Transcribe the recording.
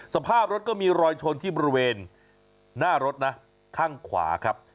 สภาพรถก็มีรอยชนที่บริเวณหน้ารถนะข้างขวาครับ